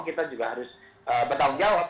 kita juga harus bertanggung jawab